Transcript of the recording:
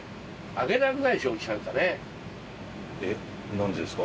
何でですか？